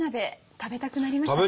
食べたくなりましたか？